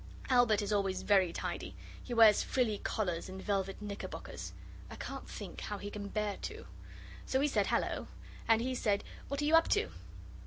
Albert is always very tidy. He wears frilly collars and velvet knickerbockers. I can't think how he can bear to. So we said, 'Hallo!' And he said, 'What are you up to?